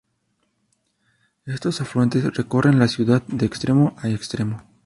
Estos afluentes recorren la ciudad de extremo a extremo.